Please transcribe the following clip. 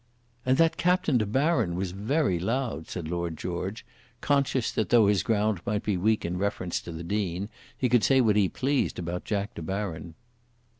"And that Captain De Baron was very loud," said Lord George, conscious that though his ground might be weak in reference to the Dean, he could say what he pleased about Jack De Baron.